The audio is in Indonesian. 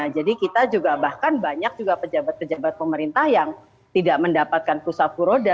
jadi kita juga bahkan banyak juga pejabat pejabat pemerintah yang tidak mendapatkan kursa puroda